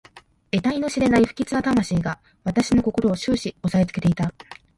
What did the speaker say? えたいの知れない不吉な魂が私の心を始終おさえつけていた。